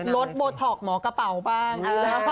ลดโบท็อกหมอกระเป๋าบ้าง